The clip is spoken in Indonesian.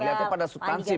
lihatnya pada stansi